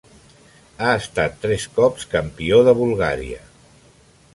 Ha estat tres cops Campió de Bulgària.